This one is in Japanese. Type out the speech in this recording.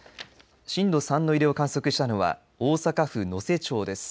震度３の揺れを観測したのは大阪府能勢町です。